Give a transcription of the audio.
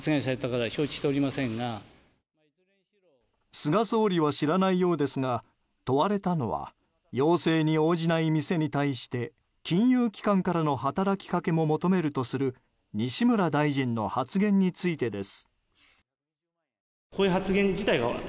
菅総理は知らないようですが問われたのは要請に応じない店に対して金融機関からの働きかけも求めるという西村大臣の発言についてです。